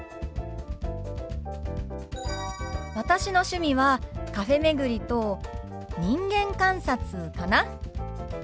私の趣味はカフェ巡りと人間観察かな。